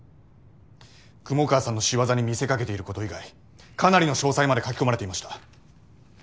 雲川さんの仕業に見せかけていること以外かなりの詳細まで書き込まれていました。